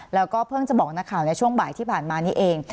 แล้วก็เพิ่งจะบอกนักข่าวในช่วงบ่ายที่ผ่านมานี้เอง